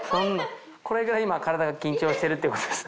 これぐらい今体が緊張してるってことです。